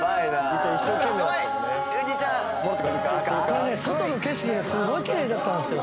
「これね外の景色がすごいきれいだったんですよ